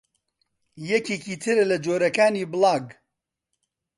یەکێکی ترە لە جۆرەکانی بڵاگ